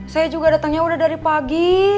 saya juga datangnya udah dari pagi